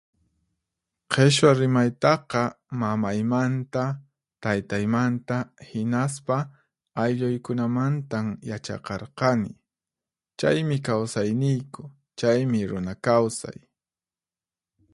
Qhichwa rimaytaqa mamaymanta, taytaymanta, hinaspa aylluykunamantan yachaqarqani. Chaymi kawsayniyku, chaymi runa kawsay.